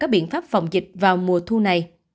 các biện pháp phòng dịch vào mùa thu này